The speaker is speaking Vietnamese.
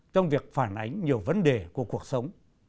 trong việc phản ánh nhiều vấn đề của cuộc sống